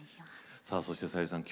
さあそしてさゆりさん